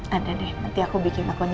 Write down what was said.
ada deh nanti aku bikin akun